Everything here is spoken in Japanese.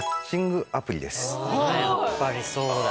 やっぱりそうだ。